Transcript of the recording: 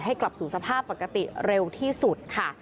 กลับสู่สภาพปกติเร็วที่สุดค่ะ